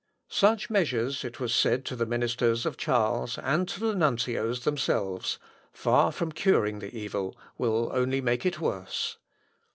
"Such measures," it was said to the ministers of Charles, and to the nuncios themselves, "far from curing the evil, will only make it worse.